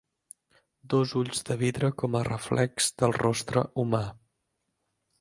Dos ulls de vidre com a reflex del rostre humà.